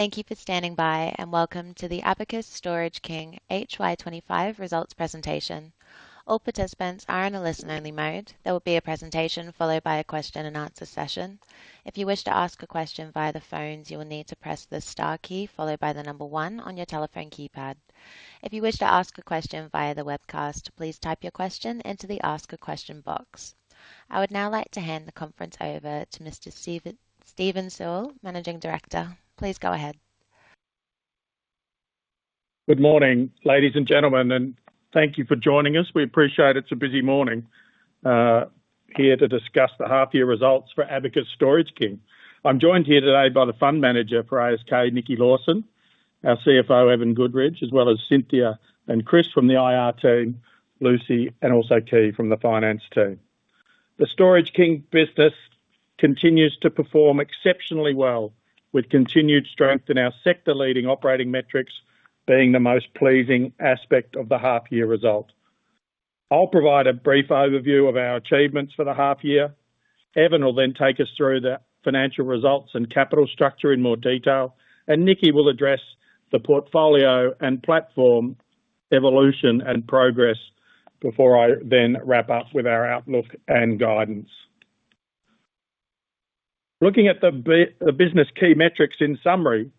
Thank you for standing by, and welcome to the Abacus Storage King HY 2025 Results Presentation. All participants are in a listen-only mode. There will be a presentation followed by a question-and-answer session. If you wish to ask a question via the phones, you will need to press the star key followed by the number one on your telephone keypad. If you wish to ask a question via the webcast, please type your question into the Ask a Question box. I would now like to hand the conference over to Mr. Steven Sewell, Managing Director. Please go ahead. Good morning, ladies and gentlemen, and thank you for joining us. We appreciate it's a busy morning, here to discuss the half-year results for Abacus Storage King. I'm joined here today by the Fund Manager for ASK, Nikki Lawson, our CFO, Evan Goodridge, as well as Cynthia and Chris from the IR team, Lucy, and also Kee from the Finance team. The Storage King business continues to perform exceptionally well, with continued strength in our sector-leading operating metrics being the most pleasing aspect of the half-year result. I'll provide a brief overview of our achievements for the half-year. Evan will then take us through the financial results and capital structure in more detail, and Nikki will address the portfolio and platform evolution and progress before I then wrap up with our outlook and guidance. Looking at the business key metrics in summary,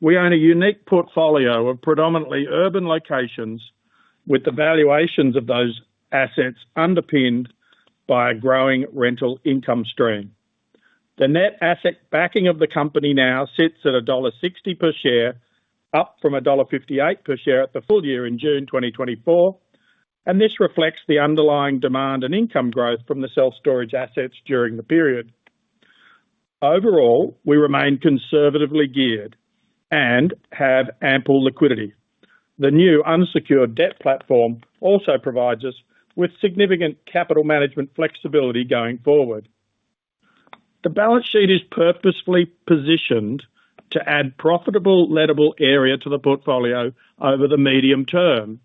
we own a unique portfolio of predominantly urban locations, with the valuations of those assets underpinned by a growing rental income stream. The net asset backing of the company now sits at dollar 1.60 per share, up from dollar 1.58 per share at the full year in June 2024, and this reflects the underlying demand and income growth from the self-storage assets during the period. Overall, we remain conservatively geared and have ample liquidity. The new unsecured debt platform also provides us with significant capital management flexibility going forward. The balance sheet is purposefully positioned to add profitable lettable area to the portfolio over the medium term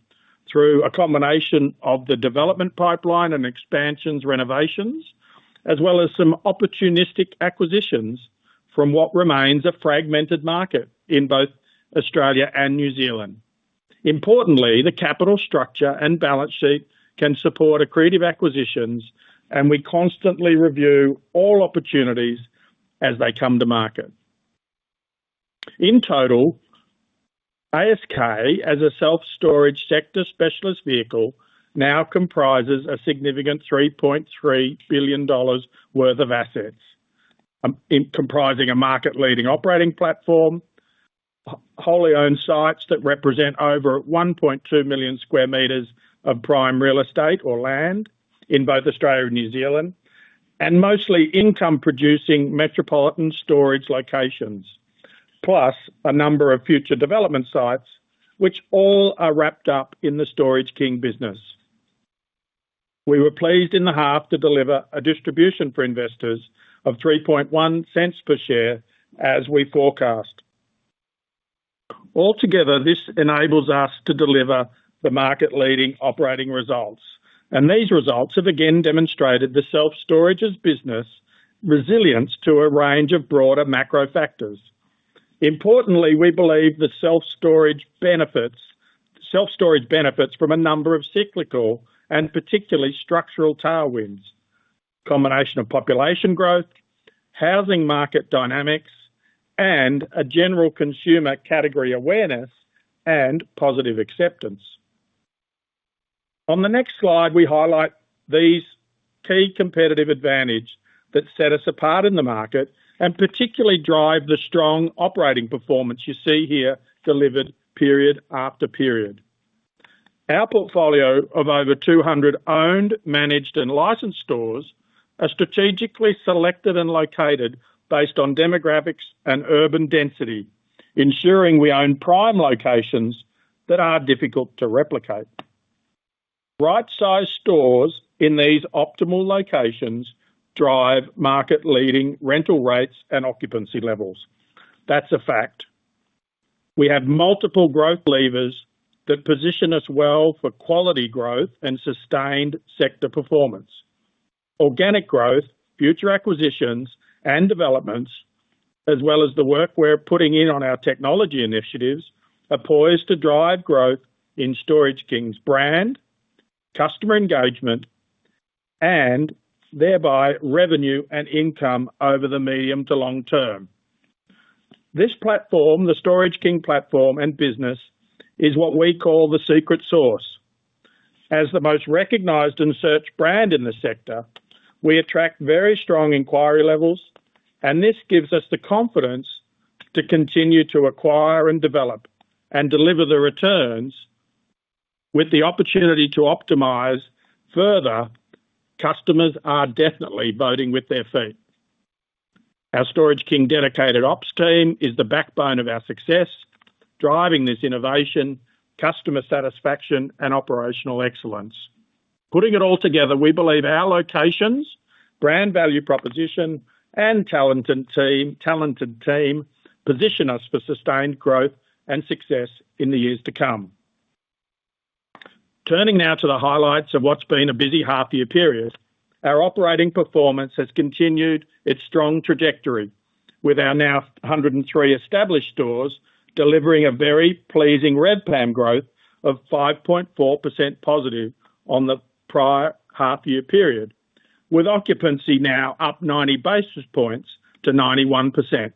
through a combination of the development pipeline and expansions, renovations, as well as some opportunistic acquisitions from what remains a fragmented market in both Australia and New Zealand. Importantly, the capital structure and balance sheet can support accretive acquisitions, and we constantly review all opportunities as they come to market. In total, ASK, as a self-storage sector specialist vehicle, now comprises a significant 3.3 billion dollars worth of assets, comprising a market-leading operating platform, wholly owned sites that represent over 1.2 million square meters of prime real estate or land in both Australia and New Zealand, and mostly income-producing metropolitan storage locations, plus a number of future development sites, which all are wrapped up in the Storage King business. We were pleased in the half to deliver a distribution for investors of 0.031 per share as we forecast. Altogether, this enables us to deliver the market-leading operating results, and these results have again demonstrated the self-storage business resilience to a range of broader macro factors. Importantly, we believe the self-storage benefits from a number of cyclical and particularly structural tailwinds: a combination of population growth, housing market dynamics, and a general consumer category awareness and positive acceptance. On the next slide, we highlight these key competitive advantages that set us apart in the market and particularly drive the strong operating performance you see here delivered period after period. Our portfolio of over 200 owned, managed, and licensed stores are strategically selected and located based on demographics and urban density, ensuring we own prime locations that are difficult to replicate. Right-sized stores in these optimal locations drive market-leading rental rates and occupancy levels. That's a fact. We have multiple growth levers that position us well for quality growth and sustained sector performance. Organic growth, future acquisitions and developments, as well as the work we're putting in on our technology initiatives, are poised to drive growth in Storage King's brand, customer engagement, and thereby revenue and income over the medium to long term. This platform, the Storage King platform and business, is what we call the secret sauce. As the most recognized and searched brand in the sector, we attract very strong inquiry levels, and this gives us the confidence to continue to acquire and develop and deliver the returns with the opportunity to optimize further. Customers are definitely voting with their feet. Our Storage King dedicated ops team is the backbone of our success, driving this innovation, customer satisfaction, and operational excellence. Putting it all together, we believe our locations, brand value proposition, and talented team position us for sustained growth and success in the years to come. Turning now to the highlights of what's been a busy half-year period, our operating performance has continued its strong trajectory, with our now 103 established stores delivering a very pleasing RevPAM growth of 5.4% positive on the prior half-year period, with occupancy now up 90 basis points to 91%.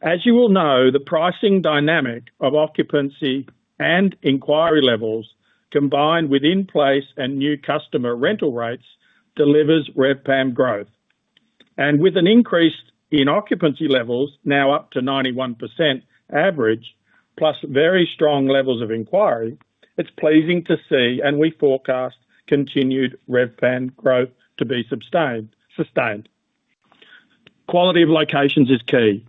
As you will know, the pricing dynamic of occupancy and inquiry levels, combined with in-place and new customer rental rates, delivers RevPAM growth, and with an increase in occupancy levels now up to 91% average, plus very strong levels of inquiry, it's pleasing to see, and we forecast continued RevPAM growth to be sustained. Quality of locations is key,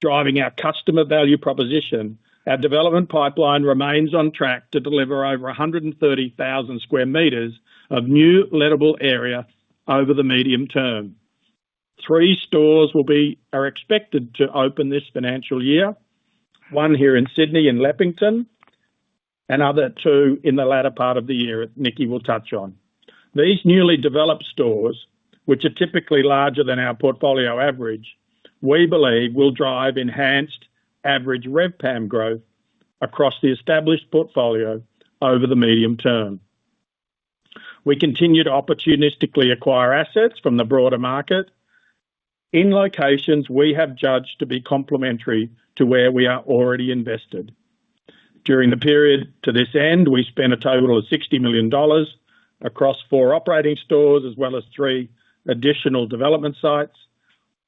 driving our customer value proposition. Our development pipeline remains on track to deliver over 130,000 square meters of new lettable area over the medium term. Three stores will be expected to open this financial year: one here in Sydney and Leppington, and other two in the latter part of the year, as Nikki will touch on. These newly developed stores, which are typically larger than our portfolio average, we believe will drive enhanced average RevPAM growth across the established portfolio over the medium term. We continue to opportunistically acquire assets from the broader market in locations we have judged to be complementary to where we are already invested. During the period to this end, we spent a total of 60 million dollars across four operating stores, as well as three additional development sites.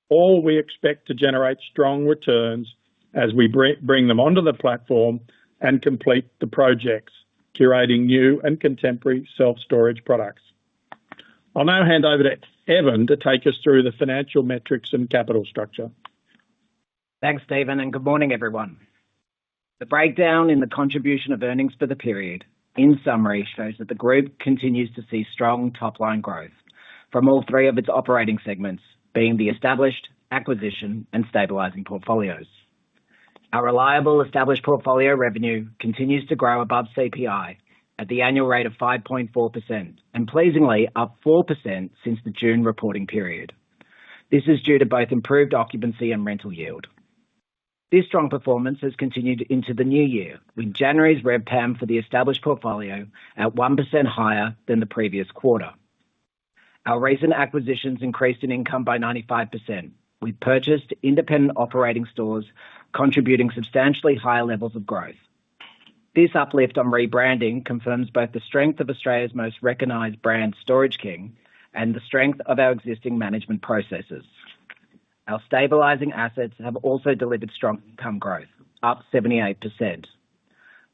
All we expect to generate strong returns as we bring them onto the platform and complete the projects, curating new and contemporary self-storage products. I'll now hand over to Evan to take us through the financial metrics and capital structure. Thanks, Steven, and good morning, everyone. The breakdown in the contribution of earnings for the period, in summary, shows that the group continues to see strong top-line growth from all three of its operating segments, being the established, acquisition, and stabilizing portfolios. Our reliable established portfolio revenue continues to grow above CPI at the annual rate of 5.4%, and pleasingly up 4% since the June reporting period. This is due to both improved occupancy and rental yield. This strong performance has continued into the new year, with January's RevPAM for the established portfolio at 1% higher than the previous quarter. Our recent acquisitions increased in income by 95%, with purchased independent operating stores contributing substantially higher levels of growth. This uplift on rebranding confirms both the strength of Australia's most recognized brand, Storage King, and the strength of our existing management processes. Our stabilizing assets have also delivered strong income growth, up 78%.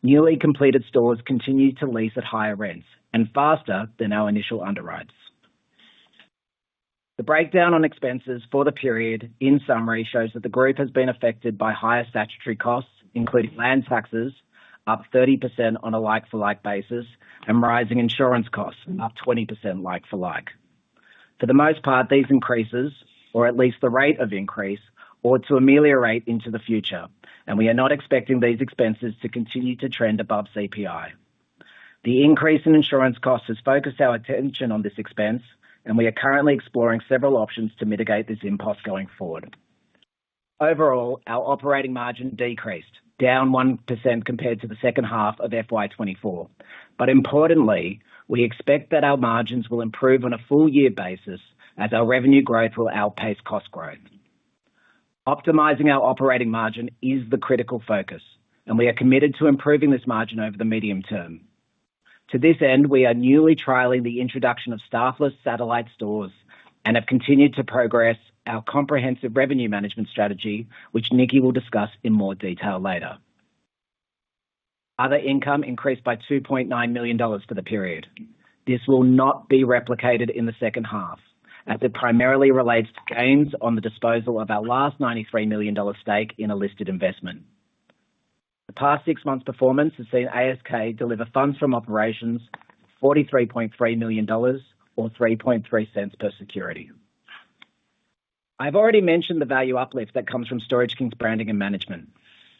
Newly completed stores continue to lease at higher rents and faster than our initial underwrites. The breakdown on expenses for the period, in summary, shows that the group has been affected by higher statutory costs, including land taxes, up 30% on a like-for-like basis, and rising insurance costs, up 20% like-for-like. For the most part, these increases, or at least the rate of increase, ought to ameliorate into the future, and we are not expecting these expenses to continue to trend above CPI. The increase in insurance costs has focused our attention on this expense, and we are currently exploring several options to mitigate this impulse going forward. Overall, our operating margin decreased, down 1% compared to the second half of FY 2024. But importantly, we expect that our margins will improve on a full-year basis, as our revenue growth will outpace cost growth. Optimizing our operating margin is the critical focus, and we are committed to improving this margin over the medium term. To this end, we are newly trialing the introduction of staffless satellite stores and have continued to progress our comprehensive revenue management strategy, which Nikki will discuss in more detail later. Other income increased by 2.9 million dollars for the period. This will not be replicated in the second half, as it primarily relates to gains on the disposal of our last 93 million dollar stake in a listed investment. The past six months' performance has seen ASK deliver funds from operations 43.3 million dollars, or 0.033 per security. I've already mentioned the value uplift that comes from Storage King's branding and management.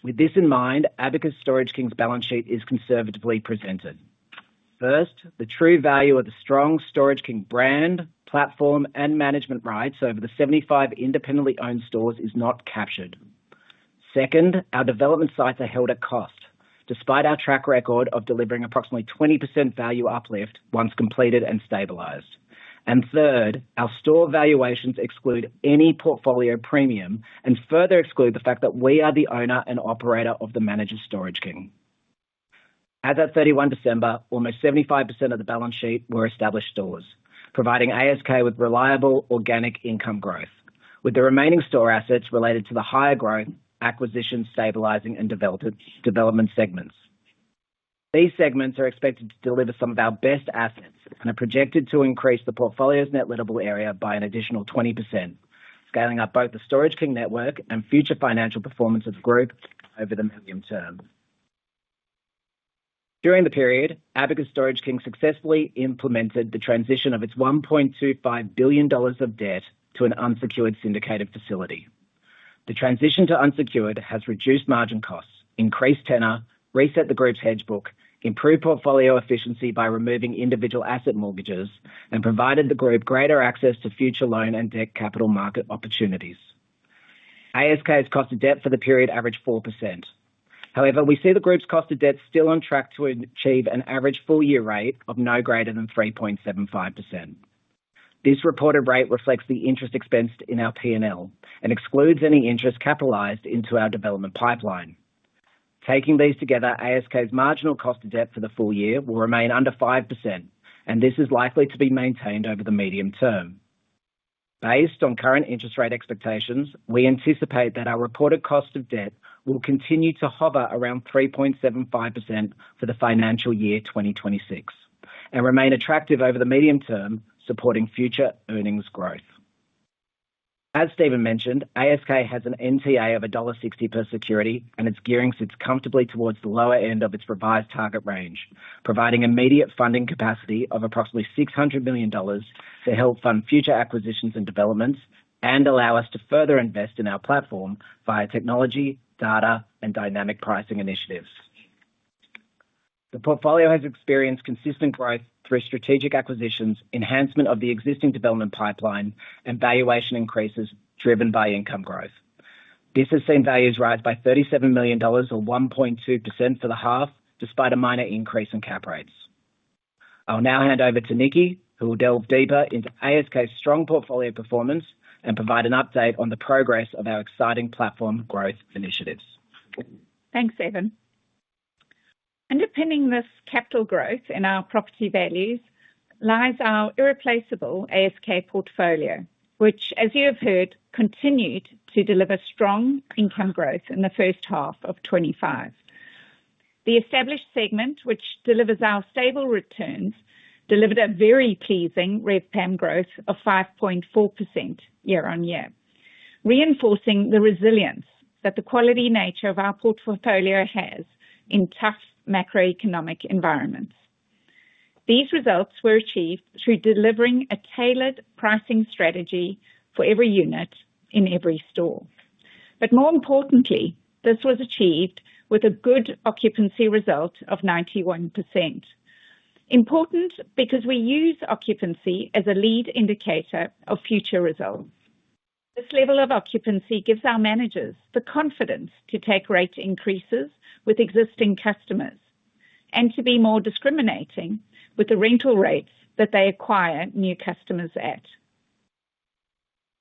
With this in mind, Abacus Storage King's balance sheet is conservatively presented. First, the true value of the strong Storage King brand, platform, and management rights over the 75 independently owned stores is not captured. Second, our development sites are held at cost, despite our track record of delivering approximately 20% value uplift once completed and stabilized. And third, our store valuations exclude any portfolio premium and further exclude the fact that we are the owner and operator of the manager's Storage King. As of 31 December, almost 75% of the balance sheet were established stores, providing ASK with reliable organic income growth, with the remaining store assets related to the higher growth, acquisition, stabilizing, and development segments. These segments are expected to deliver some of our best assets and are projected to increase the portfolio's net lettable area by an additional 20%, scaling up both the Storage King network and future financial performance of the group over the medium term. During the period, Abacus Storage King successfully implemented the transition of its 1.25 billion dollars of debt to an unsecured syndicated facility. The transition to unsecured has reduced margin costs, increased tenor, reset the group's hedge book, improved portfolio efficiency by removing individual asset mortgages, and provided the group greater access to future loan and debt capital market opportunities. ASK's cost of debt for the period averaged 4%. However, we see the group's cost of debt still on track to achieve an average full-year rate of no greater than 3.75%. This reported rate reflects the interest expensed in our P&L and excludes any interest capitalized into our development pipeline. Taking these together, ASK's marginal cost of debt for the full year will remain under 5%, and this is likely to be maintained over the medium term. Based on current interest rate expectations, we anticipate that our reported cost of debt will continue to hover around 3.75% for the financial year 2026 and remain attractive over the medium term, supporting future earnings growth. As Stephen mentioned, ASK has an NTA of dollar 1.60 per security, and its gearing sits comfortably towards the lower end of its revised target range, providing immediate funding capacity of approximately 600 million dollars to help fund future acquisitions and developments and allow us to further invest in our platform via technology, data, and dynamic pricing initiatives. The portfolio has experienced consistent growth through strategic acquisitions, enhancement of the existing development pipeline, and valuation increases driven by income growth. This has seen values rise by 37 million dollars, or 1.2%, for the half, despite a minor increase in cap rates. I'll now hand over to Nikki, who will delve deeper into ASK's strong portfolio performance and provide an update on the progress of our exciting platform growth initiatives. Thanks, Evan. Underpinning this capital growth in our property values lies our irreplaceable ASK portfolio, which, as you have heard, continued to deliver strong income growth in the first half of 2025. The established segment, which delivers our stable returns, delivered a very pleasing RevPAM growth of 5.4% year on year, reinforcing the resilience that the quality nature of our portfolio has in tough macroeconomic environments. These results were achieved through delivering a tailored pricing strategy for every unit in every store. But more importantly, this was achieved with a good occupancy result of 91%. Important because we use occupancy as a lead indicator of future results. This level of occupancy gives our managers the confidence to take rate increases with existing customers and to be more discriminating with the rental rates that they acquire new customers at.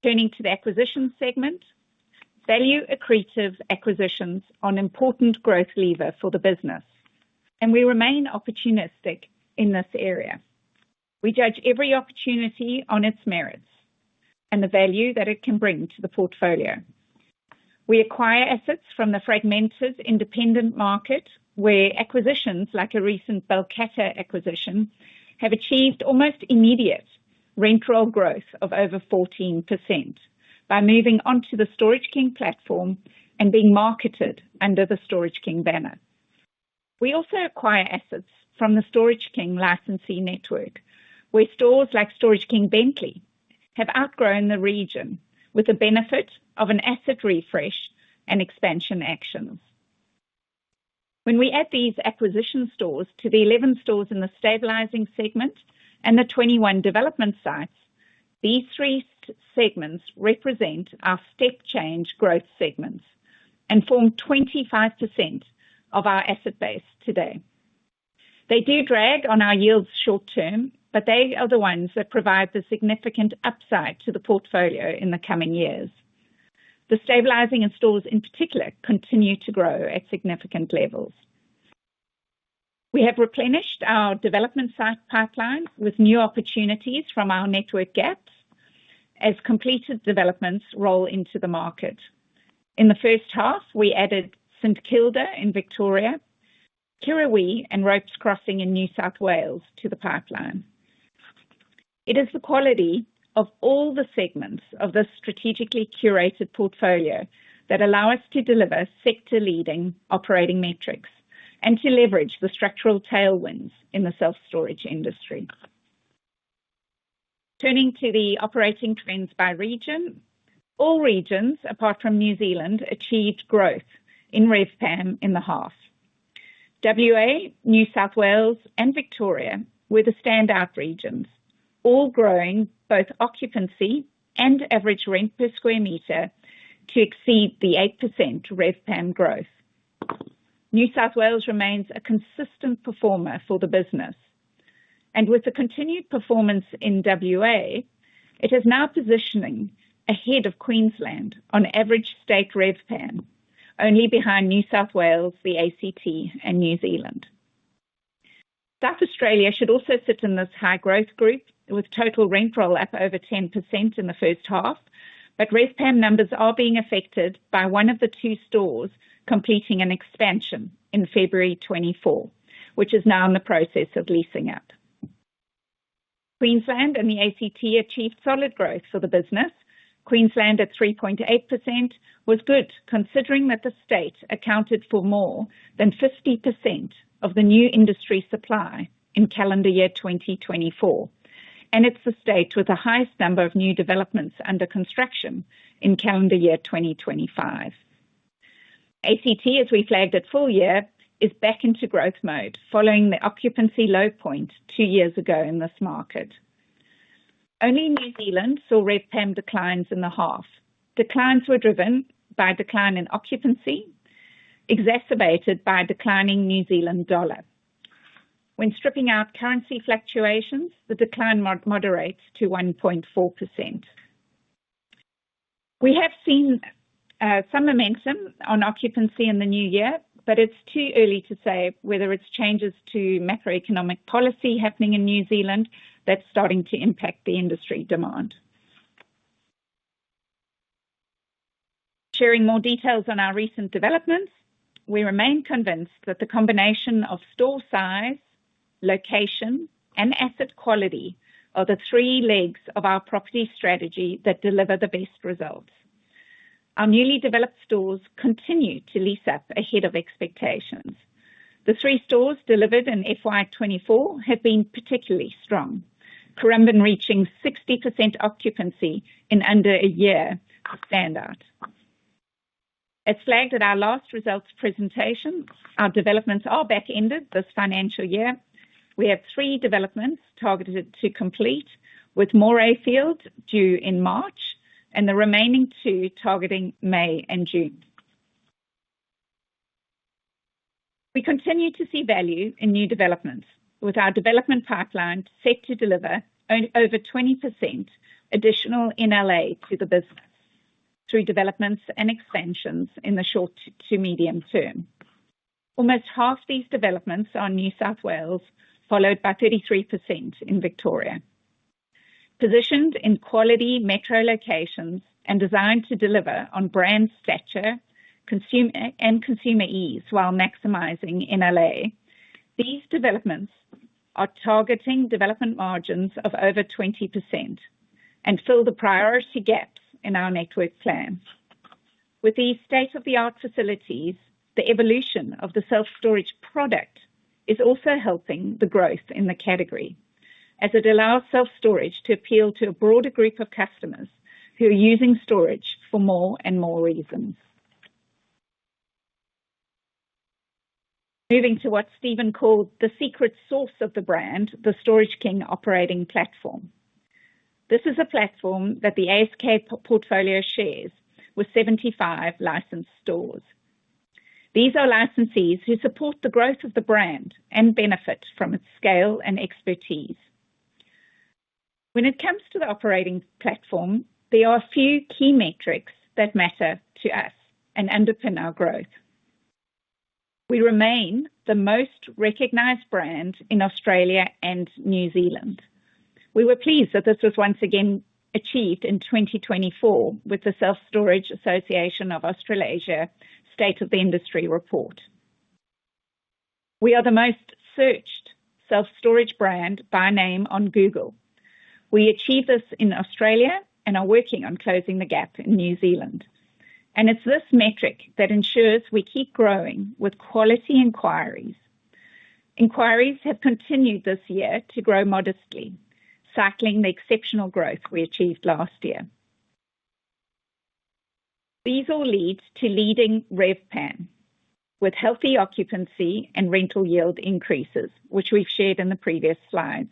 Turning to the acquisition segment, value accretive acquisitions are an important growth lever for the business, and we remain opportunistic in this area. We judge every opportunity on its merits and the value that it can bring to the portfolio. We acquire assets from the fragmented independent market, where acquisitions like a recent Balcatta acquisition have achieved almost immediate rental growth of over 14% by moving onto the Storage King platform and being marketed under the Storage King banner. We also acquire assets from the Storage King licensee network, where stores like Storage King Bentley have outgrown the region with the benefit of an asset refresh and expansion actions. When we add these acquisition stores to the 11 stores in the stabilizing segment and the 21 development sites, these three segments represent our step-change growth segments and form 25% of our asset base today. They do drag on our yields short-term, but they are the ones that provide the significant upside to the portfolio in the coming years. The stabilizing stores in particular continue to grow at significant levels. We have replenished our development site pipeline with new opportunities from our network gaps as completed developments roll into the market. In the first half, we added St Kilda in Victoria, Kirrawee, and Ropes Crossing in New South Wales to the pipeline. It is the quality of all the segments of this strategically curated portfolio that allow us to deliver sector-leading operating metrics and to leverage the structural tailwinds in the self-storage industry. Turning to the operating trends by region, all regions, apart from New Zealand, achieved growth in RevPAM in the half. WA, New South Wales, and Victoria were the standout regions, all growing both occupancy and average rent per square meter to exceed the 8% RevPAM growth. New South Wales remains a consistent performer for the business, and with the continued performance in WA, it is now positioning ahead of Queensland on average state RevPAM, only behind New South Wales, the ACT, and New Zealand. South Australia should also sit in this high growth group with total rental up over 10% in the first half, but RevPAM numbers are being affected by one of the two stores completing an expansion in February 2024, which is now in the process of leasing up. Queensland and the ACT achieved solid growth for the business. Queensland at 3.8% was good, considering that the state accounted for more than 50% of the new industry supply in calendar year 2024, and it's the state with the highest number of new developments under construction in calendar year 2025. ACT, as we flagged at full year, is back into growth mode following the occupancy low point two years ago in this market. Only New Zealand saw RevPAM declines in the half. Declines were driven by a decline in occupancy, exacerbated by a declining New Zealand dollar. When stripping out currency fluctuations, the decline moderates to 1.4%. We have seen some momentum on occupancy in the new year, but it's too early to say whether it's changes to macroeconomic policy happening in New Zealand that's starting to impact the industry demand. Sharing more details on our recent developments, we remain convinced that the combination of store size, location, and asset quality are the three legs of our property strategy that deliver the best results. Our newly developed stores continue to lease up ahead of expectations. The three stores delivered in FY 2024 have been particularly strong, Currumbin reaching 60% occupancy in under a year of standout. As flagged at our last results presentation, our developments are back-ended this financial year. We have three developments targeted to complete, with Morayfield due in March and the remaining two targeting May and June. We continue to see value in new developments, with our development pipeline set to deliver over 20% additional NLA to the business through developments and expansions in the short to medium term. Almost half these developments are in New South Wales, followed by 33% in Victoria. Positioned in quality metro locations and designed to deliver on brand stature and consumer ease while maximizing NLA, these developments are targeting development margins of over 20% and fill the priority gaps in our network plan. With these state-of-the-art facilities, the evolution of the self-storage product is also helping the growth in the category, as it allows self-storage to appeal to a broader group of customers who are using storage for more and more reasons. Moving to what Steven called the secret source of the brand, the Storage King operating platform. This is a platform that the ASK portfolio shares with 75 licensed stores. These are licensees who support the growth of the brand and benefit from its scale and expertise. When it comes to the operating platform, there are a few key metrics that matter to us and underpin our growth. We remain the most recognized brand in Australia and New Zealand. We were pleased that this was once again achieved in 2024 with the Self Storage Association of Australasia State of the Industry Report. We are the most searched self-storage brand by name on Google. We achieved this in Australia and are working on closing the gap in New Zealand, and it's this metric that ensures we keep growing with quality inquiries. Inquiries have continued this year to grow modestly, cycling the exceptional growth we achieved last year. These all lead to leading RevPAM with healthy occupancy and rental yield increases, which we've shared in the previous slides,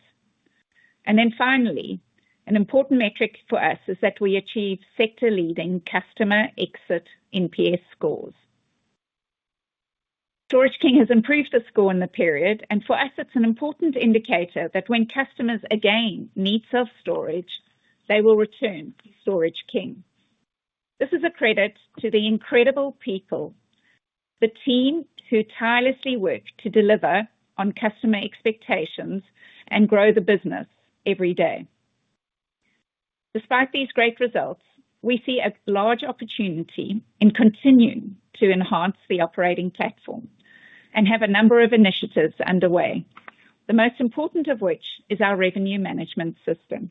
and then finally, an important metric for us is that we achieve sector-leading customer exit NPS scores. Storage King has improved the score in the period, and for us, it's an important indicator that when customers again need self-storage, they will return to Storage King. This is a credit to the incredible people, the team who tirelessly work to deliver on customer expectations and grow the business every day. Despite these great results, we see a large opportunity in continuing to enhance the operating platform and have a number of initiatives underway, the most important of which is our revenue management system.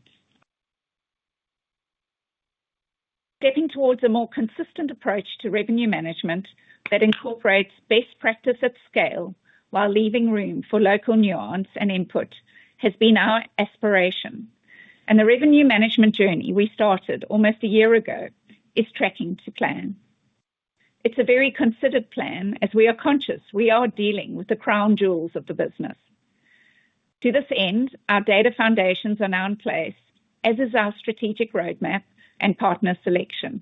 Stepping towards a more consistent approach to revenue management that incorporates best practice at scale while leaving room for local nuance and input has been our aspiration, and the revenue management journey we started almost a year ago is tracking to plan. It's a very considered plan as we are conscious we are dealing with the crown jewels of the business. To this end, our data foundations are now in place, as is our strategic roadmap and partner selection.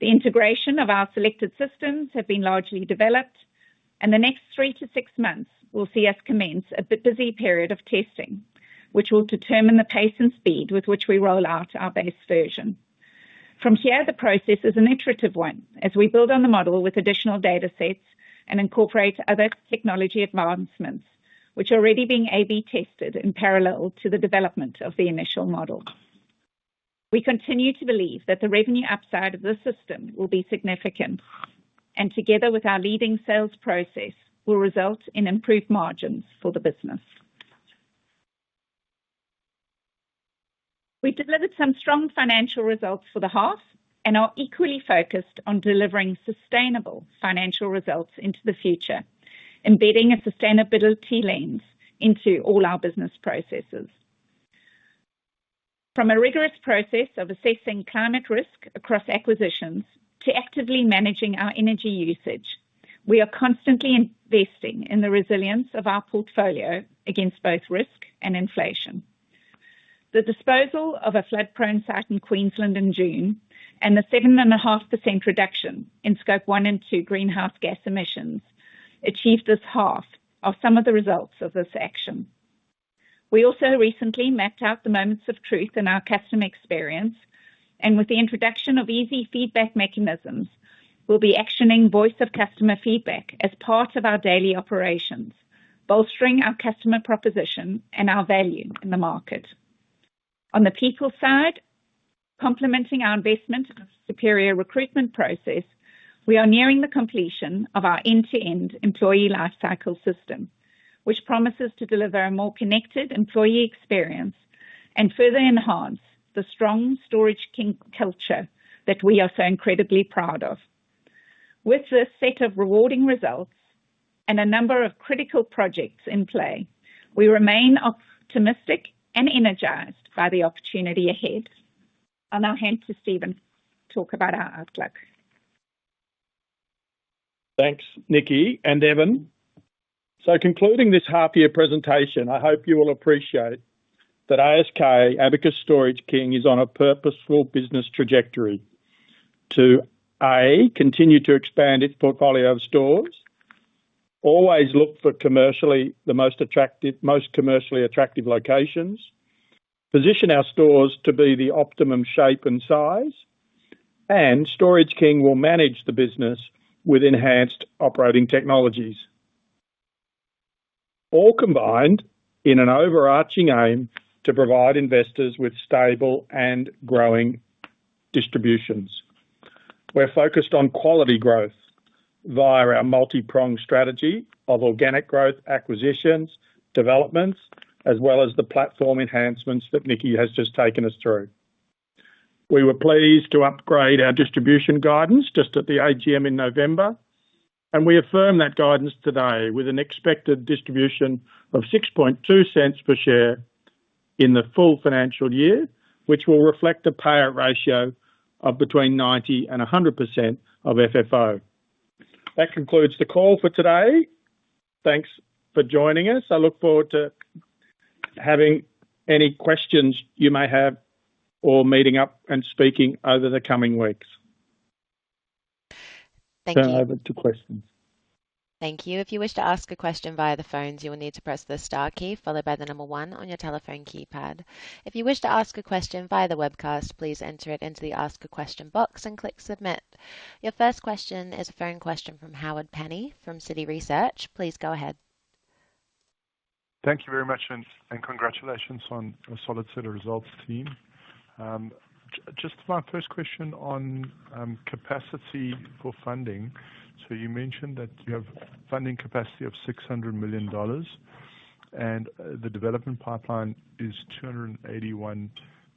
The integration of our selected systems has been largely developed, and the next three to six months will see us commence a busy period of testing, which will determine the pace and speed with which we roll out our base version. From here, the process is an iterative one as we build on the model with additional data sets and incorporate other technology advancements, which are already being A/B tested in parallel to the development of the initial model. We continue to believe that the revenue upside of this system will be significant, and together with our leading sales process, will result in improved margins for the business. We delivered some strong financial results for the half and are equally focused on delivering sustainable financial results into the future, embedding a sustainability lens into all our business processes. From a rigorous process of assessing climate risk across acquisitions to actively managing our energy usage, we are constantly investing in the resilience of our portfolio against both risk and inflation. The disposal of a flood-prone site in Queensland in June and the 7.5% reduction in Scope 1 and 2 greenhouse gas emissions achieved this half of some of the results of this action. We also recently mapped out the moments of truth in our customer experience, and with the introduction of easy feedback mechanisms, we'll be actioning voice of customer feedback as part of our daily operations, bolstering our customer proposition and our value in the market. On the people side, complementing our investment in a superior recruitment process, we are nearing the completion of our end-to-end employee lifecycle system, which promises to deliver a more connected employee experience and further enhance the strong Storage King culture that we are so incredibly proud of. With this set of rewarding results and a number of critical projects in play, we remain optimistic and energized by the opportunity ahead. I'll now hand to Steven to talk about our outlook. Thanks, Nikki and Evan. Concluding this half-year presentation, I hope you will appreciate that ASK Abacus Storage King is on a purposeful business trajectory to, A, continue to expand its portfolio of stores, always look for commercially the most attractive locations, position our stores to be the optimum shape and size, and Storage King will manage the business with enhanced operating technologies, all combined in an overarching aim to provide investors with stable and growing distributions. We're focused on quality growth via our multi-pronged strategy of organic growth acquisitions, developments, as well as the platform enhancements that Nikki has just taken us through. We were pleased to upgrade our distribution guidance just at the AGM in November, and we affirm that guidance today with an expected distribution of 0.062 per share in the full financial year, which will reflect a payout ratio of between 90%-100% of FFO. That concludes the call for today. Thanks for joining us. I look forward to having any questions you may have or meeting up and speaking over the coming weeks. Turn over to questions. Thank you. If you wish to ask a question via the phones, you will need to press the star key followed by the number one on your telephone keypad. If you wish to ask a question via the webcast, please enter it into the ask a question box and click submit. Your first question is a phone question from Howard Penny from Citi Research. Please go ahead. Thank you very much and congratulations on a solid set of results, team. Just my first question on capacity for funding. So you mentioned that you have funding capacity of 600 million dollars, and the development pipeline is 281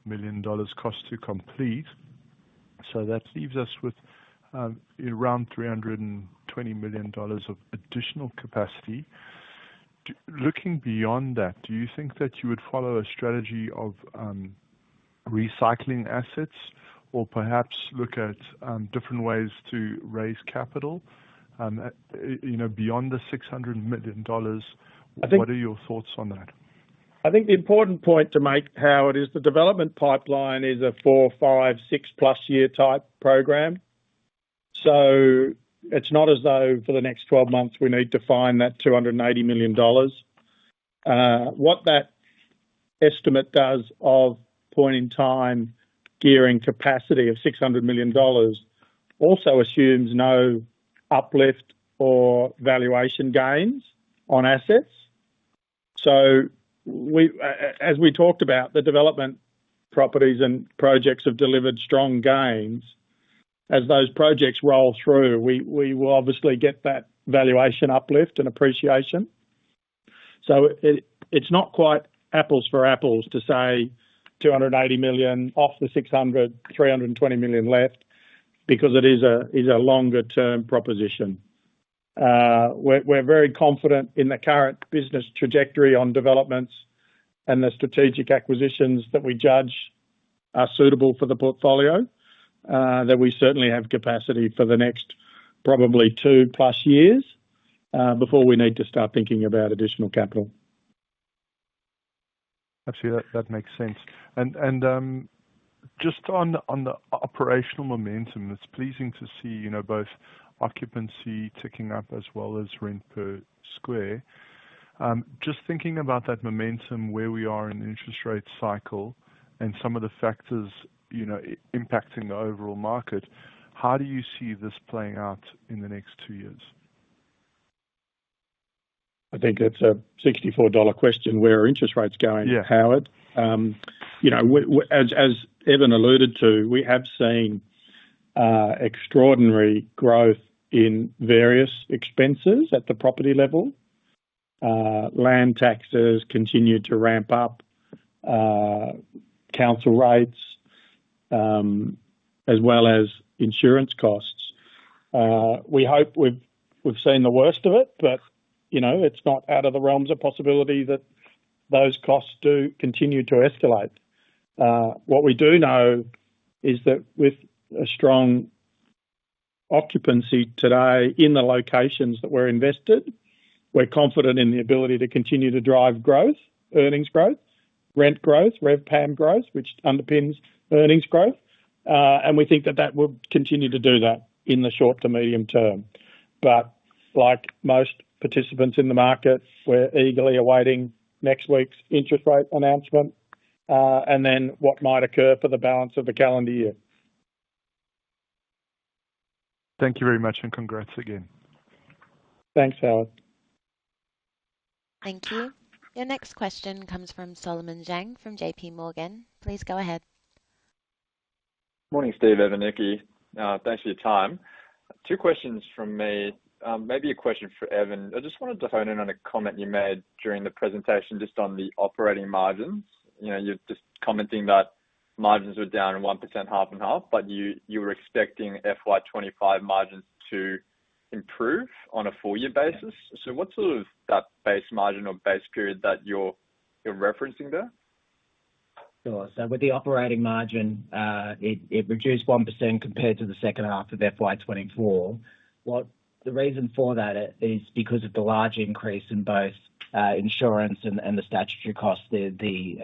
million dollars cost to complete. So that leaves us with around $320 million of additional capacity. Looking beyond that, do you think that you would follow a strategy of recycling assets or perhaps look at different ways to raise capital beyond the $600 million? What are your thoughts on that? I think the important point to make, Howard, is the development pipeline is a four, five, six year plus type program. So it's not as though for the next 12 months we need to find that 280 million dollars. What that estimate does of point-in-time gearing capacity of 600 million dollars also assumes no uplift or valuation gains on assets. As we talked about, the development properties and projects have delivered strong gains. As those projects roll through, we will obviously get that valuation uplift and appreciation. It's not quite apples for apples to say 280 million off the 600 million, 320 million left because it is a longer-term proposition. We're very confident in the current business trajectory on developments and the strategic acquisitions that we judge are suitable for the portfolio, that we certainly have capacity for the next probably plus two years before we need to start thinking about additional capital. Absolutely. That makes sense. And just on the operational momentum, it's pleasing to see both occupancy ticking up as well as rent per square. Just thinking about that momentum, where we are in the interest rate cycle and some of the factors impacting the overall market, how do you see this playing out in the next two years? I think it's a $64 question. Where are interest rates going, Howard? As Evan alluded to, we have seen extraordinary growth in various expenses at the property level. Land taxes continue to ramp up, council rates, as well as insurance costs. We hope we've seen the worst of it, but it's not out of the realms of possibility that those costs do continue to escalate. What we do know is that with a strong occupancy today in the locations that we're invested, we're confident in the ability to continue to drive growth, earnings growth, rent growth, RevPAM growth, which underpins earnings growth. And we think that that will continue to do that in the short to medium term. But like most participants in the market, we're eagerly awaiting next week's interest rate announcement and then what might occur for the balance of the calendar year. Thank you very much and congrats again. Thanks, Howard. Thank you. Your next question comes from Solomon Zhang from JPMorgan. Please go ahead. Morning, Steve, Evan, Nikki. Thanks for your time. Two questions from me. Maybe a question for Evan. I just wanted to hone in on a comment you made during the presentation just on the operating margins. You're just commenting that margins were down 1%, half and half, but you were expecting FY 2025 margins to improve on a full-year basis. So what's sort of that base margin or base period that you're referencing there? Sure. So with the operating margin, it reduced 1% compared to the second half of FY 2024. The reason for that is because of the large increase in both insurance and the statutory costs, the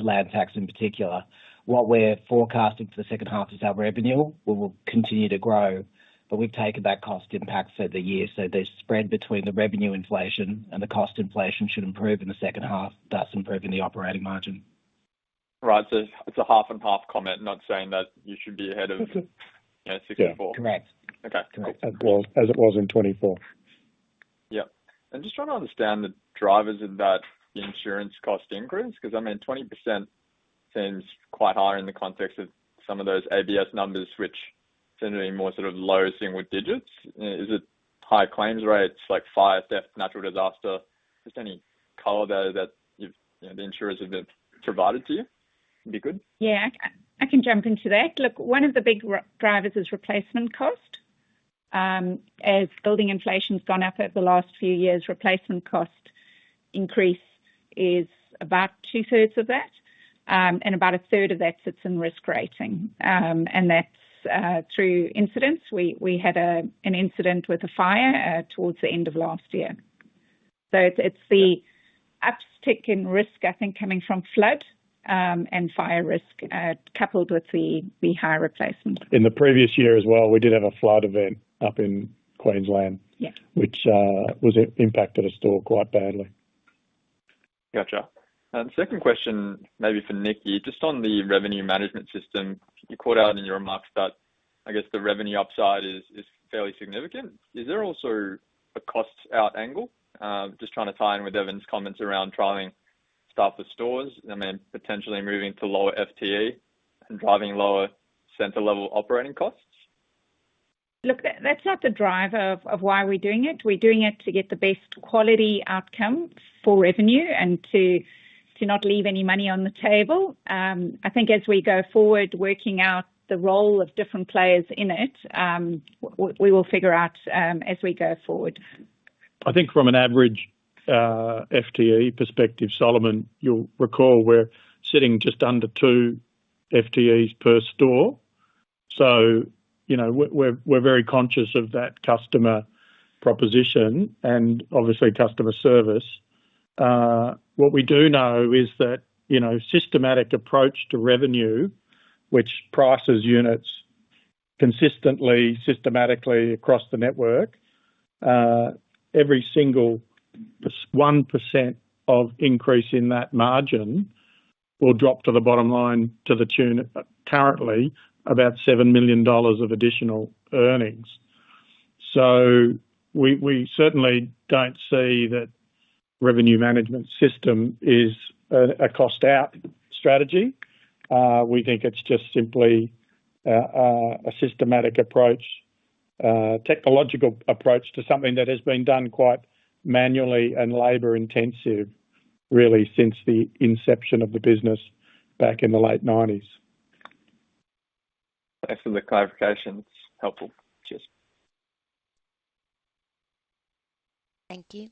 land tax in particular. What we're forecasting for the second half is our revenue. We will continue to grow, but we've taken that cost impact for the year. So the spread between the revenue inflation and the cost inflation should improve in the second half. That's improving the operating margin. Right. So it's a half and half comment, not saying that you should be ahead of-- Correct. As it was in 2024. Yep. And just trying to understand the drivers of that insurance cost increase because, I mean, 20% seems quite high in the context of some of those ABS numbers, which seem to be more sort of low single digits. Is it high claims rates, like fire theft, natural disaster? Just any color there that the insurers have provided to you would be good. Yeah. I can jump into that. Look, one of the big drivers is replacement cost. As building inflation's gone up over the last few years, replacement cost increase is about 2/3 of that, and about a third of that sits in risk rating. And that's through incidents. We had an incident with a fire towards the end of last year. So it's the uptick in risk, I think, coming from flood and fire risk coupled with the high replacement. In the previous year as well, we did have a flood event up in Queensland, which impacted a store quite badly. Got it. Second question, maybe for Nikki, just on the revenue management system. You called out in your remarks that I guess the revenue upside is fairly significant. Is there also a costs-out angle? Just trying to tie in with Evan's comments around trialing staffless stores, I mean, potentially moving to lower FTE and driving lower center-level operating costs. Look, that's not the driver of why we're doing it. We're doing it to get the best quality outcome for revenue and to not leave any money on the table. I think as we go forward, working out the role of different players in it, we will figure out as we go forward. I think from an average FTE perspective, Solomon, you'll recall we're sitting just under two FTEs per store. So we're very conscious of that customer proposition and obviously customer service. What we do know is that systematic approach to revenue, which prices units consistently, systematically across the network, every single 1% of increase in that margin will drop to the bottom line to the tune of currently about 7 million dollars of additional earnings. So we certainly don't see that revenue management system is a cost-out strategy. We think it's just simply a systematic approach, technological approach to something that has been done quite manually and labor-intensive really since the inception of the business back in the late 1990s. Thanks for the clarification. It's helpful. Sure. Thank you.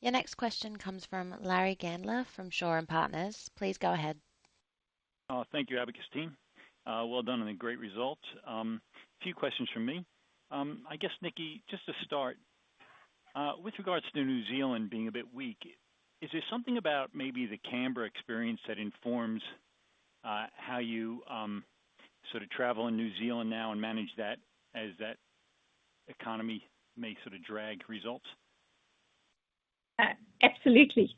Your next question comes from Larry Gandler from Shaw and Partners. Please go ahead. Thank you, Abacus team. Well done and a great result. A few questions from me. I guess, Nikki, just to start, with regards to New Zealand being a bit weak, is there something about maybe the Canberra experience that informs how you sort of travel in New Zealand now and manage that as that economy may sort of drag results? Absolutely.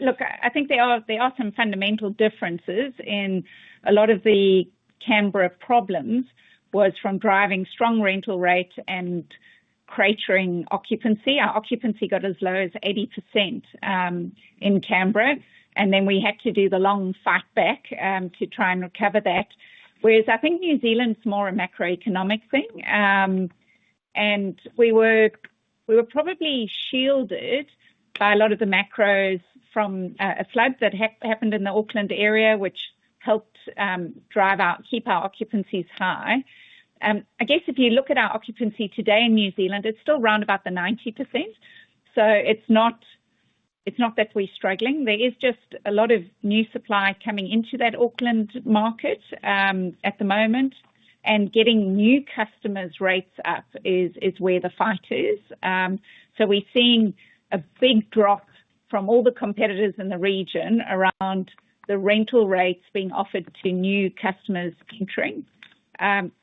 Look, I think there are some fundamental differences in a lot of the Canberra problems was from driving strong rental rates and creating occupancy. Our occupancy got as low as 80% in Canberra, and then we had to do the long fight back to try and recover that. Whereas I think New Zealand's more a macroeconomic thing, and we were probably shielded by a lot of the macros from a flood that happened in the Auckland area, which helped keep our occupancies high. I guess if you look at our occupancy today in New Zealand, it's still around about the 90%, so it's not that we're struggling. There is just a lot of new supply coming into that Auckland market at the moment, and getting new customers' rates up is where the fight is, so we're seeing a big drop from all the competitors in the region around the rental rates being offered to new customers entering,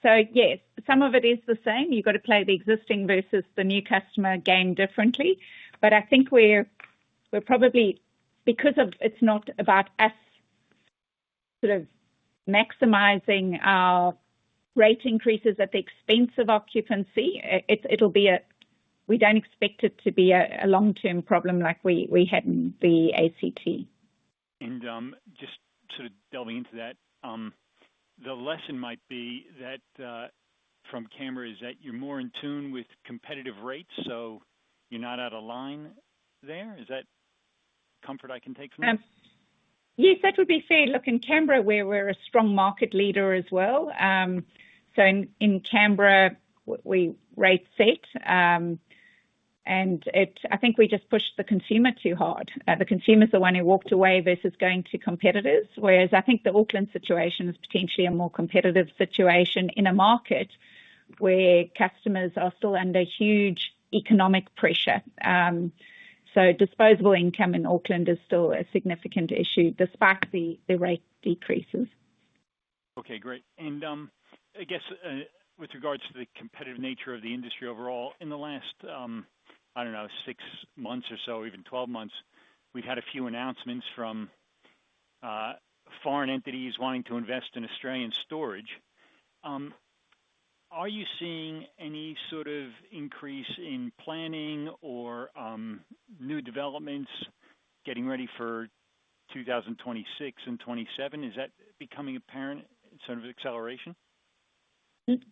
so yes, some of it is the same. You've got to play the existing versus the new customer game differently, but I think we're probably, because it's not about us sort of maximizing our rate increases at the expense of occupancy, it'll be a we don't expect it to be a long-term problem like we had in the ACT. And just sort of delving into that, the lesson might be that from Canberra is that you're more in tune with competitive rates, so you're not out of line there. Is that comfort I can take from that? Yes, that would be fair. Look, in Canberra, we're a strong market leader as well, so in Canberra, we rate set, and I think we just pushed the consumer too hard. The consumer's the one who walked away versus going to competitors. Whereas I think the Auckland situation is potentially a more competitive situation in a market where customers are still under huge economic pressure. So disposable income in Auckland is still a significant issue despite the rate decreases. Okay. Great. And I guess with regards to the competitive nature of the industry overall, in the last, I don't know, six months or so, even 12 months, we've had a few announcements from foreign entities wanting to invest in Australian storage. Are you seeing any sort of increase in planning or new developments getting ready for 2026 and 2027? Is that becoming apparent, sort of acceleration?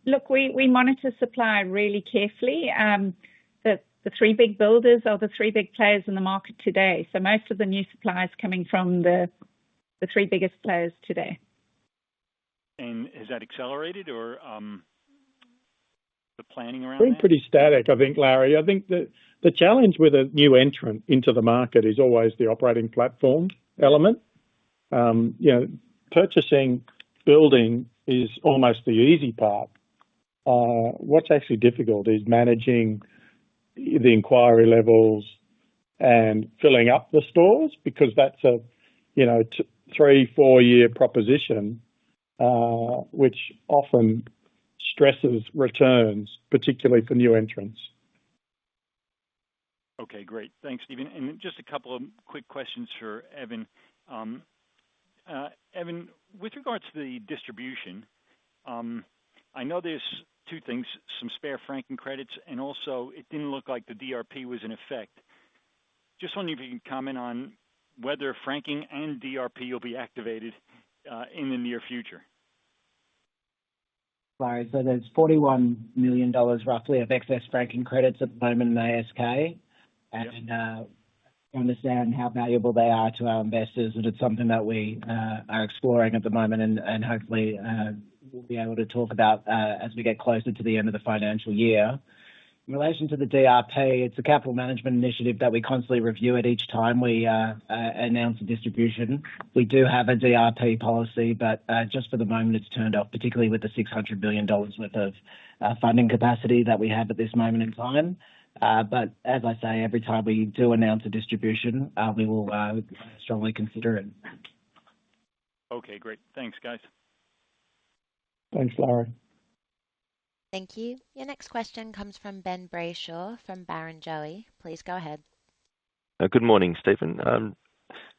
Look, we monitor supply really carefully. The three big builders are the three big players in the market today. So most of the new supply is coming from the three biggest players today. And has that accelerated or the planning around that? Been pretty static, I think, Larry. I think the challenge with a new entrant into the market is always the operating platform element. Purchasing buildings is almost the easy part. What's actually difficult is managing the inquiry levels and filling up the stores because that's a three, four-year proposition, which often stresses returns, particularly for new entrants. Okay. Great. Thanks, Steven. And just a couple of quick questions for Evan. Evan, with regards to the distribution, I know there's two things, some spare franking credits, and also it didn't look like the DRP was in effect. Just wondering if you can comment on whether franking and DRP will be activated in the near future. Larry, so there's 41 million dollars roughly of excess franking credits at the moment in the ASK. I understand how valuable they are to our investors, and it's something that we are exploring at the moment and hopefully will be able to talk about as we get closer to the end of the financial year. In relation to the DRP, it's a capital management initiative that we constantly review at each time we announce a distribution. We do have a DRP policy, but just for the moment, it's turned off, particularly with the 600 million dollars worth of funding capacity that we have at this moment in time. But as I say, every time we do announce a distribution, we will strongly consider it. Okay. Great. Thanks, guys. Thanks, Larry. Thank you. Your next question comes from Ben Brayshaw from Barrenjoey. Please go ahead. Good morning, Steven.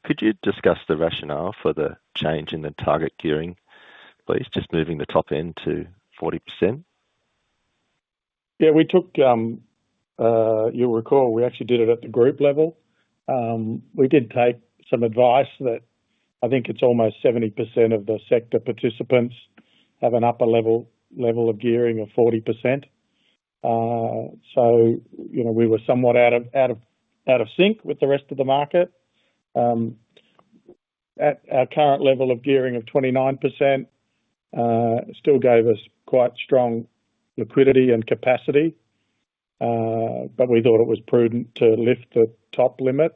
Could you discuss the rationale for the change in the target gearing, please? Just moving the top end to 40%. Yeah. You'll recall we actually did it at the group level. We did take some advice that I think it's almost 70% of the sector participants have an upper level of gearing of 40%. So we were somewhat out of sync with the rest of the market. At our current level of gearing of 29%, it still gave us quite strong liquidity and capacity, but we thought it was prudent to lift the top limit.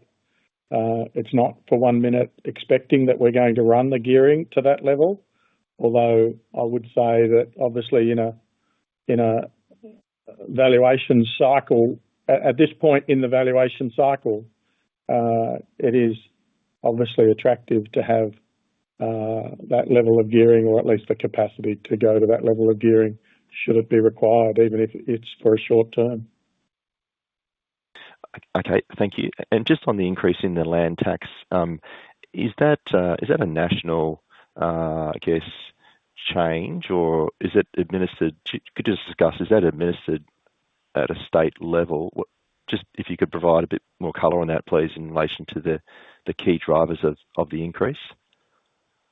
It's not for one minute expecting that we're going to run the gearing to that level, although I would say that obviously in a valuation cycle, at this point in the valuation cycle, it is obviously attractive to have that level of gearing or at least the capacity to go to that level of gearing should it be required, even if it's for a short term. Okay. Thank you. And just on the increase in the land tax, is that a national, I guess, change or is it administered? Could you just discuss is that administered at a state level? Just if you could provide a bit more color on that, please, in relation to the key drivers of the increase.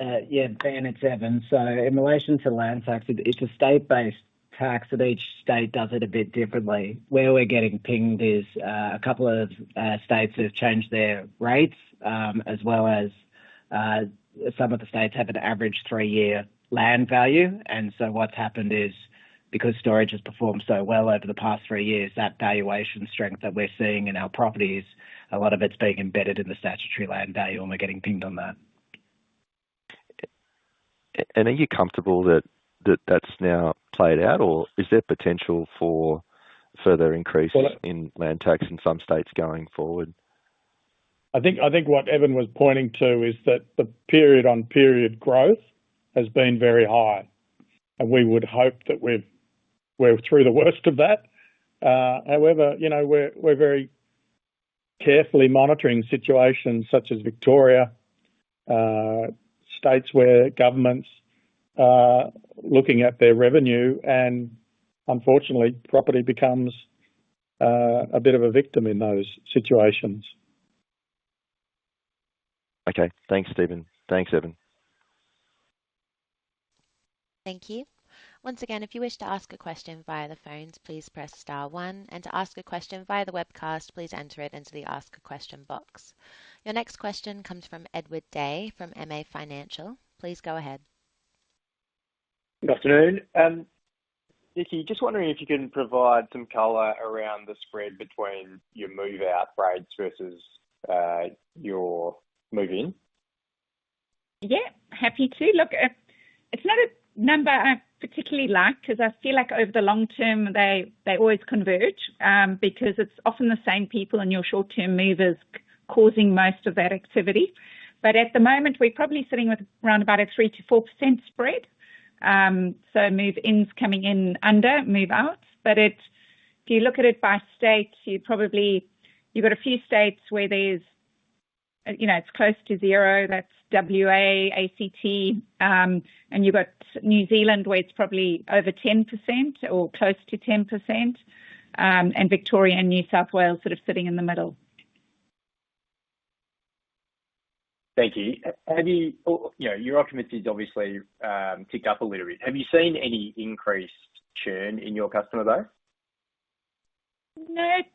Yeah, Ben. It's Evan. So in relation to land tax, it's a state-based tax. Each state does it a bit differently. Where we're getting pinged is a couple of states that have changed their rates, as well as some of the states have an average three-year land value. And so what's happened is because storage has performed so well over the past three years, that valuation strength that we're seeing in our properties, a lot of it's being embedded in the statutory land value, and we're getting pinged on that. Are you comfortable that that's now played out, or is there potential for further increases in land tax in some states going forward? I think what Evan was pointing to is that the period-on-period growth has been very high, and we would hope that we're through the worst of that. However, we're very carefully monitoring situations such as Victoria, states where governments are looking at their revenue, and unfortunately, property becomes a bit of a victim in those situations. Okay. Thanks, Steven. Thanks, Evan. Thank you. Once again, if you wish to ask a question via the phones, please press star one. And to ask a question via the webcast, please enter it into the ask a question box. Your next question comes from Edward Day from MA Financial. Please go ahead. Good afternoon. Nikki, just wondering if you can provide some color around the spread between your move-out rates versus your move-in. Yeah. Happy to. Look, it's not a number I particularly like because I feel like over the long term, they always converge because it's often the same people and your short-term movers causing most of that activity. But at the moment, we're probably sitting with around about a 3%-4% spread. So move-ins coming in under move-outs. But if you look at it by state, you've got a few states where it's close to zero. That's WA, ACT, and you've got New Zealand where it's probably over 10% or close to 10%, and Victoria and New South Wales sort of sitting in the middle. Thank you. Your occupancy has obviously ticked up a little bit. Have you seen any increased churn in your customer base? It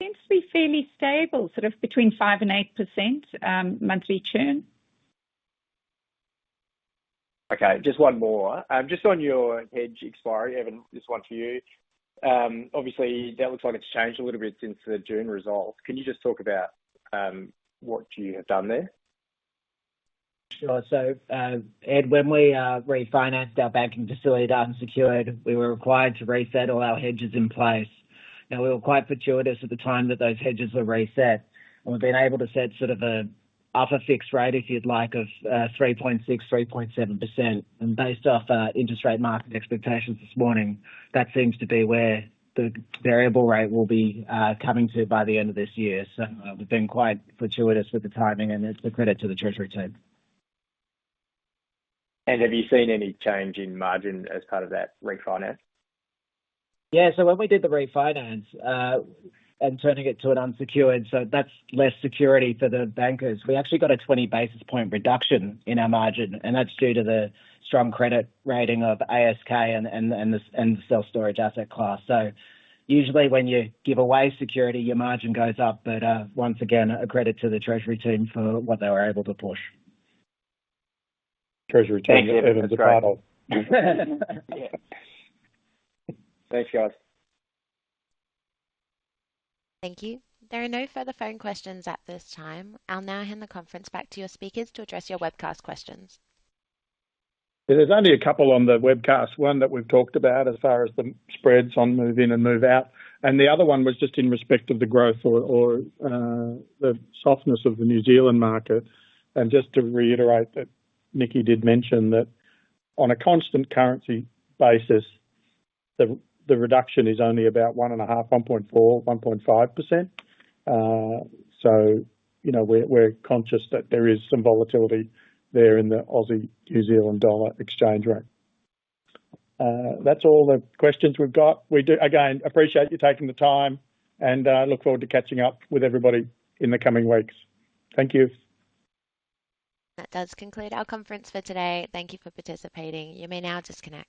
seems to be fairly stable, sort of between 5% and 8% monthly churn. Okay. Just one more. Just on your hedge expiry, Evan, this one for you. Obviously, that looks like it's changed a little bit since the June results. Can you just talk about what you have done there? Sure. So when we refinanced our banking facility that we secured, we were required to reset all our hedges in place. Now, we were quite fortuitous at the time that those hedges were reset, and we've been able to set sort of an upper fixed rate, if you'd like, of 3.6%-3.7%. And based off interest rate market expectations this morning, that seems to be where the variable rate will be coming to by the end of this year. So we've been quite fortuitous with the timing, and it's a credit to the Treasury team. And have you seen any change in margin as part of that refinance? Yeah. So when we did the refinance and turning it into an unsecured, so that's less security for the bankers. We actually got a 20 basis points reduction in our margin, and that's due to the strong credit rating of ASK and the self-storage asset class. So usually when you give away security, your margin goes up. But once again, a credit to the Treasury team for what they were able to push. Treasury team-- Thanks Evan. Thanks, guys. Thank you. There are no further phone questions at this time. I'll now hand the conference back to your speakers to address your webcast questions. There's only a couple on the webcast. One that we've talked about as far as the spreads on move-in and move-out. The other one was just in respect of the growth or the softness of the New Zealand market. Just to reiterate that, Nikki did mention that on a constant currency basis, the reduction is only about 1.5%, 1.4%, 1.5%. We're conscious that there is some volatility there in the Aussie New Zealand dollar exchange rate. That's all the questions we've got. Again, appreciate you taking the time, and I look forward to catching up with everybody in the coming weeks. Thank you. That does conclude our conference for today. Thank you for participating. You may now disconnect.